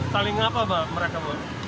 saling apa mereka buat